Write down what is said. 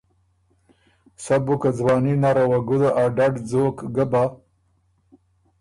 سَۀ بُو که ځواني نره وه ګُده ا ډډ ځوک ګه بۀ،